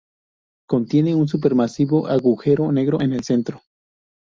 Contiene un supermasivo agujero negro en el centro.